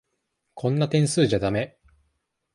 こんな点数じゃだめ。